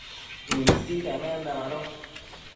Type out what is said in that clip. Nisi pemenda mado